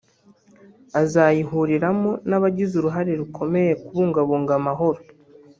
Azayahuriramo n’abagize uruhare rukomeye mu kubungabunga amahoro